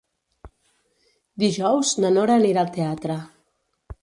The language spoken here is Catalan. Dijous na Nora anirà al teatre.